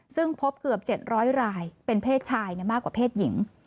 ซึ่งพบเกือบ๗๐๐รายเป็นเพศชายมากกว่าเพศหญิง